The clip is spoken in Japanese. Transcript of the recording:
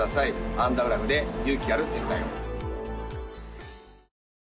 アンダーグラフで「勇気ある撤退を」